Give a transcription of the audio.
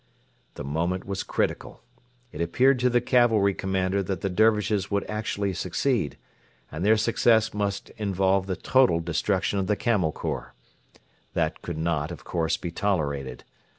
The moment was critical. It appeared to the cavalry commander that the Dervishes would actually succeed, and their success must involve the total destruction of the Camel Corps. That could not, of course, be tolerated.